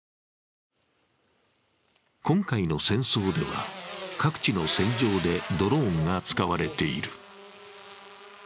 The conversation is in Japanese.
今回の戦争では、各地の戦場でドローンが使われている。